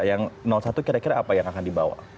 yang satu kira kira apa yang akan dibawa